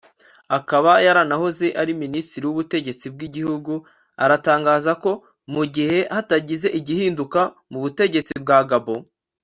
akaba yaranahoze ari Minisitiri w’Ubutegetsi bw’igihugu aratangaza ko mu gihe hatagize igihinduka mu butegetsi bwa Gabon